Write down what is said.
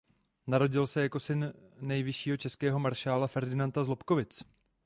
Narodil se jako syn nejvyššího českého maršálka Ferdinanda z Lobkovic.